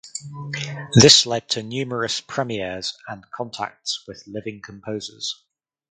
This led to numerous premieres and contacts with living composers.